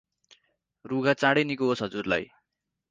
रुघा चाडै निको होस् हजुरलाइ ।